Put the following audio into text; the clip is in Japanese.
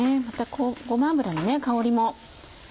またごま油の香りも。